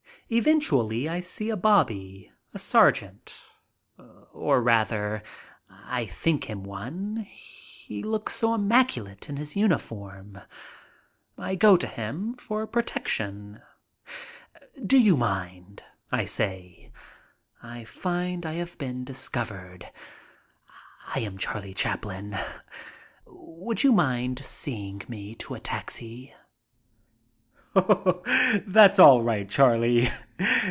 Eventually I see a bobby, a sergeant — or, rather, I think him one, he looks so immaculate in his uniform. I go to him for protection. "Do you mind?" I say. "I find I have been discovered. THE HAUNTS OF MY CHILDHOOD 59 I am Charlie Chaplin. Would you mind seeing me to a taxi?" "That's all right, Charlie.